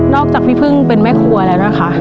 จากพี่พึ่งเป็นแม่ครัวแล้วนะคะ